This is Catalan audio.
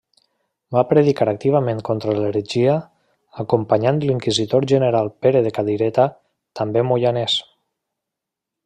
Va predicar activament contra l'heretgia, acompanyant l'inquisidor general Pere de Cadireta, també moianès.